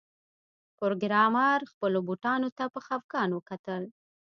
پروګرامر خپلو بوټانو ته په خفګان وکتل